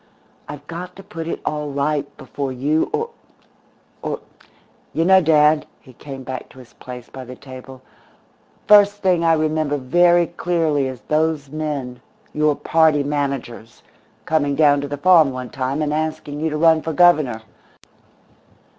I've got to put it all right before you or or You know, dad," he came back to his place by the table, "the first thing I remember very clearly is those men, your party managers, coming down to the farm one time and asking you to run for Governor.